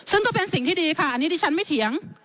ซึ่งก็เป็นสิ่งที่ดีค่ะอันนี้ที่ฉันไม่เถียง